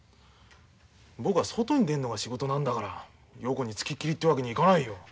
僕は外に出るのが仕事なんだから陽子につきっきりってわけにいかないよ。